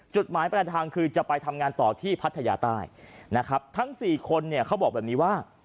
จุดหมายปลายทางคือจะไปทำงานต่อที่พัทยาใต้นะครับทั้งสี่คนเนี่ยเขาบอกแบบนี้ว่า